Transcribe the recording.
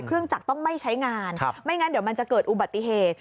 จักรต้องไม่ใช้งานไม่งั้นเดี๋ยวมันจะเกิดอุบัติเหตุ